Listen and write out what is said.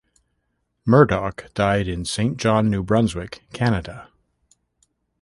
Murdoch died in Saint John, New Brunswick, Canada.